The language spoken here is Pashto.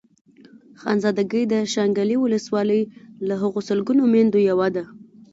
خانزادګۍ د شانګلې ولسوالۍ له هغو سلګونو ميندو يوه ده.